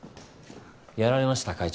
やられました会長。